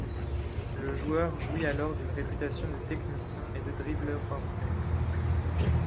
Le joueur jouit alors d'une réputation de technicien et de dribbleur hors pair.